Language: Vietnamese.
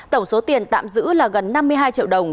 tổng số tiền tạm giữ là gần năm mươi hai triệu đồng